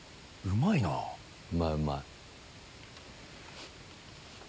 うまいうまい。